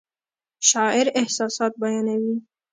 شاعر احساسات بیانوي